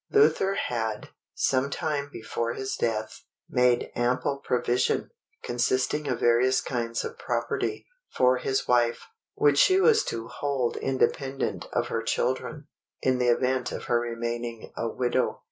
Luther had, some time before his death, made ample provision, consisting of various kinds of property, for his wife, which she was to hold independent of her children, in the event of her remaining a widow.